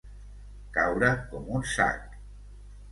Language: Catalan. Caure com un sac.